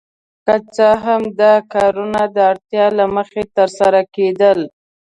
که څه هم دا کارونه د اړتیا له مخې ترسره کیدل.